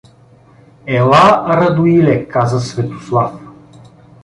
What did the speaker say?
— Ела, Радоиле — каза Светослав.